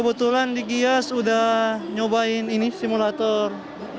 saya kan di giyas sudah nyobain ini simulator